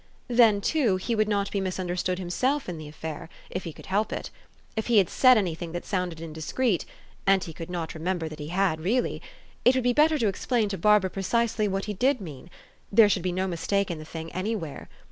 Then, too, he would not be misunderstood himself in the affair, if he could help it. If he had said any thing that sounded indiscreet, and he could not remember that he really had, it would be better to explain to Bar bara precisely what he did mean : there should be no mistake in the thing anywhere.